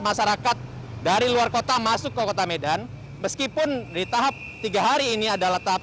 masyarakat dari luar kota masuk ke kota medan meskipun di tahap tiga hari ini adalah tahap